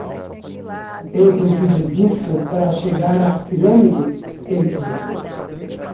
"Eu preciso disso para chegar às Pirâmides?" ele disse.